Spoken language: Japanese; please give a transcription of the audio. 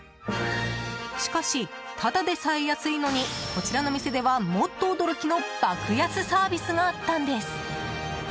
しかし、ただでさえ安いのにこちらの店では、もっと驚きの爆安サービスがあったんです！